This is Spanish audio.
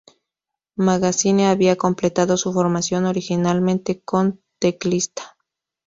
Magazine había completado su formación originalmente con teclista.